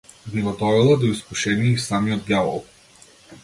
Би го довела до искушение и самиот ѓавол.